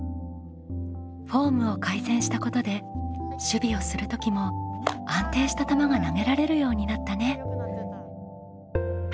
フォームを改善したことで守備をする時も安定した球が投げられるようになったね。